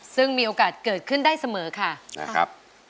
ซึ่งมีโอกาสเกิดขึ้นได้เสมอค่ะ